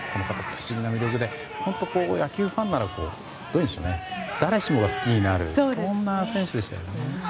不思議なもので野球ファンなら誰しもが好きになるそんな選手でしたよね。